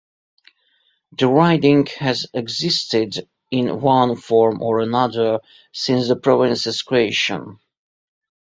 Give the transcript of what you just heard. The riding has existed, in one form or another, since the province's creation.